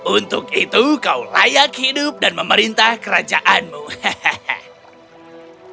untuk itu kau layak hidup dan memerintah kerajaanmu hehehe